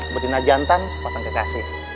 betina jantan sepasang kekasih